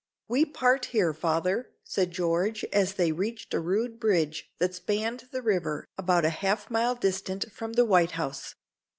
"We part here, father," said George, as they reached a rude bridge that spanned the river about half a mile distant from the White House.